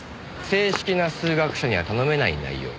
正式な数学者には頼めない内容。